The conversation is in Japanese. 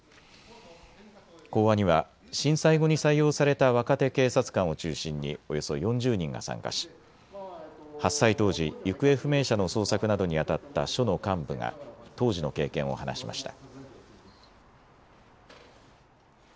講話には震災後に採用された若手警察官を中心におよそ４０人が参加し発災当時、行方不明者の捜索などにあたった署の幹部が当時の経験を話しました。